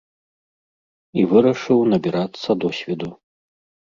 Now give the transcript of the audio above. І вырашыў набірацца досведу.